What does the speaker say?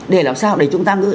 để làm sao để chúng ta